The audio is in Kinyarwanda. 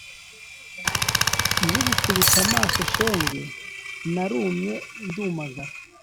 nkigukubita amaso shenge narumye ndumagana